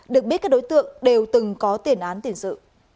được biết các đối tượng đều từng có tiền án tiền sự